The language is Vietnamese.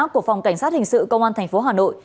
của phòng cảnh sát hình sự công an thành phố hà nội